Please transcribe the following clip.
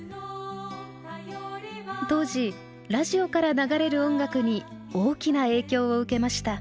当時ラジオから流れる音楽に大きな影響を受けました。